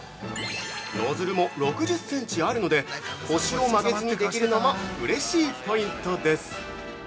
◆ノズルも６０センチあるので腰を曲げずにできるのもうれしいポイントです！